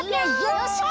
よっしゃ！